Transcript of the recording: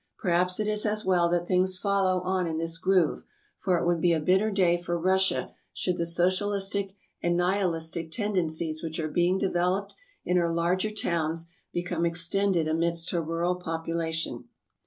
Perhaps it 298 TRAVELERS AND EXPLORERS is as well that things follow on in this groove, for it would be a bitter day for Russia should the Socialistic and Nihilist tendencies which are being developed in her larger towns become extended amidst her rural population.